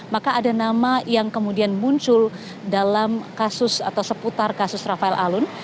maka ada nama yang kemudian muncul dalam kasus atau seputar kasus rafael alun